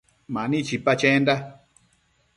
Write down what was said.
Mani chipa chenda